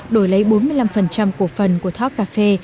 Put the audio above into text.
đổi lấy bốn mươi năm của phần của talk cafe